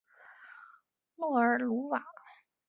诺尔鲁瓦。